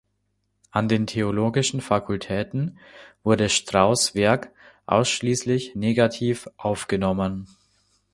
An den theologischen Fakultäten wurde Strauß’ Werk ausschließlich negativ aufgenommen.